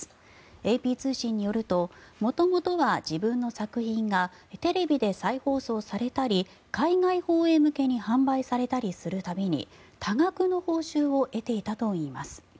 ＡＰ通信によると元々は自分の作品がテレビで再放送されたり海外放映向けに販売されたりする度に多額の報酬を得ていたといいます。